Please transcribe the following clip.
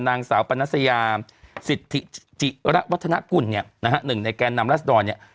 นางสาวปนัสยาสิทธิจิระวัฒนกุลเนี่ยนะฮะหนึ่งในแกนนำรัศดรเนี่ย